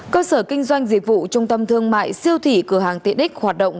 cơ sở kinh doanh dịch vụ trung tâm thương mại siêu thị cửa hàng tiện ích hoạt động